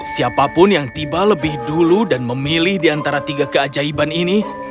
siapapun yang tiba lebih dulu dan memilih di antara tiga keajaiban ini